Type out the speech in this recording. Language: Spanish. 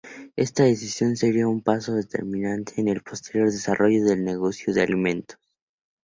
Esta decisión sería un paso determinante en el posterior desarrollo del negocio de alimentos.